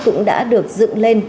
cũng đã được dựng lên